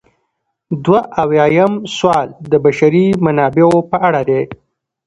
دوه اویایم سوال د بشري منابعو په اړه دی.